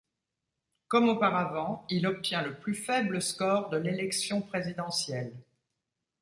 Comme auparavant, il obtient le plus faible score de l'élection présidentielle.